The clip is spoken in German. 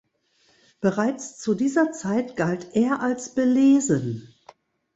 Bereits zu dieser Zeit galt er als belesen.